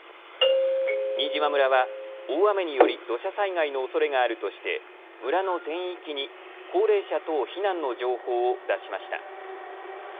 新島村は大雨により土砂災害のおそれがあるとして村の全域に高齢者等避難の情報を出しました。